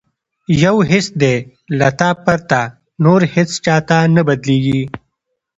یو حس دی له تا پرته، نور هیڅ چاته نه بدلیږي